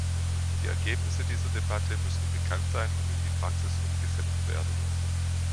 Die Ergebnisse dieser Debatte müssen bekannt sein und in die Praxis umgesetzt werden.